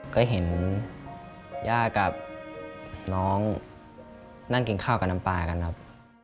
ก็เห็นย่ากับน้องนั่งกินข้าวกับน้ำปลากันครับ